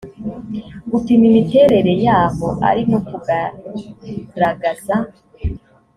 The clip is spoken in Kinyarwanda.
gupima imiterere y aho ari no kugaragaza